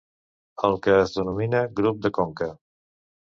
El que es denomina Grup de Conca.